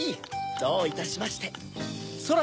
どういたしまして！